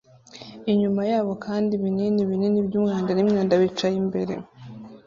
inyuma yabo kandi ibinini binini byumwanda n imyanda bicaye imbere.